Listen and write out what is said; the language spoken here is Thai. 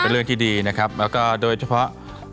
เรื่องที่ดีนะครับแล้วก็โดยเฉพาะ